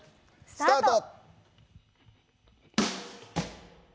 スタート！